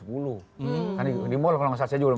kan di mall kalau nggak salah saya jual